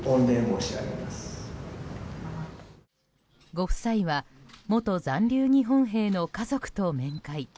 ご夫妻は元残留日本兵の家族と面会。